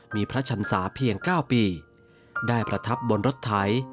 มีพระชันศาเพียง๙ปีได้ประทับบนรถไถ